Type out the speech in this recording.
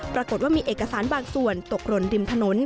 ปรากฏว่ามีเอกสารบางส่วนตกหล่นริมถนน